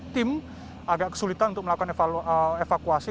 tim agak kesulitan untuk melakukan evakuasi